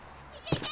いけ！